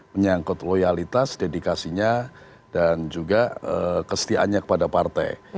menyangkut loyalitas dedikasinya dan juga kestiaannya kepada partai